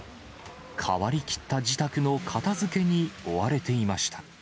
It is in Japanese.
変わりきった自宅の片づけに追われていました。